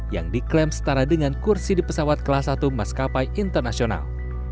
yang diklaim setara dengan kursi di pesawat kelas satu maskapai internasional